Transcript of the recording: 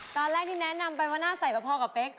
ตอนแรกที่แนะนำไปว่าน่าใส่พอกับเป๊ก